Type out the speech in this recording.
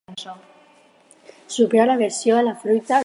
Supera l'aversió a la fruita dolça.